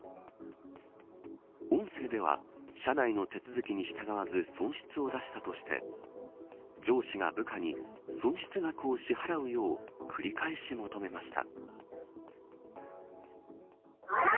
音声では、社内の手続きに従わず損失を出したとして上司が部下に損失額を支払うよう繰り返し求めました。